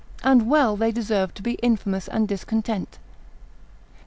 And well they deserve to be infamous and discontent.